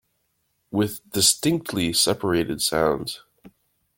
With distinctly separated sounds.